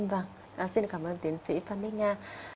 vâng xin cảm ơn tiến sĩ phan bích nga